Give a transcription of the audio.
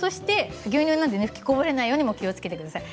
牛乳なので吹きこぼれないように気をつけてください。